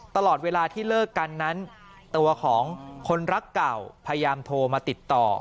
ตลอดเวลาที่เลิกกันนั้นตัวของคนรักเก่าพยายามโทรมาติดต่อ